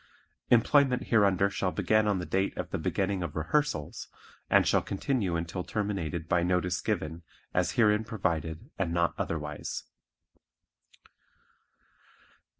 Employment hereunder shall begin on the date of the beginning of rehearsals, and shall continue until terminated by notice given as herein provided and not otherwise.